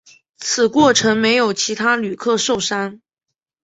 此过程没有其他旅客受伤。